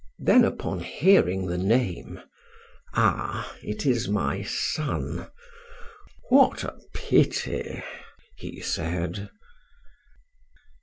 Then, upon hearing the name, "Ah, it is my son.... What a pity!" he said.